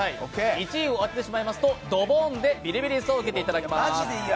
１位を当ててしまうとドボンでビリビリ椅子を受けていただきます。